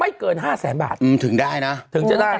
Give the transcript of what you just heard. ที่รวมกันแล้วไม่เกิน๕แสนบาทถึงจะได้นะ